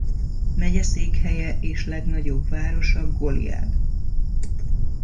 Megyeszékhelye és legnagyobb városa Goliad.